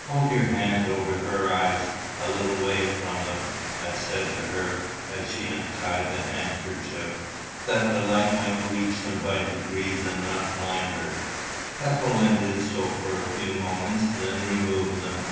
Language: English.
"Hold your hands over her eyes, a little way from them," I said to her as she untied the handkerchief, "that the light may reach them by degrees, and not blind her." Ethelwyn did so for a few moments, then removed them.